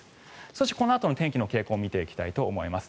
そしてこのあとの天気の傾向を見ていきたいと思います。